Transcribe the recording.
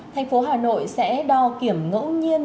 thành phố hà nội sẽ đo kiểm ngẫu nhiên